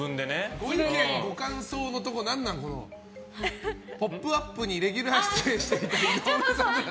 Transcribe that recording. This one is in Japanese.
ご感想のところ何なの、「ポップＵＰ！」にレギュラー出演していた井上咲楽です。